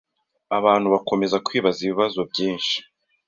abantu bakomeza kwibaza ibibazo byinshi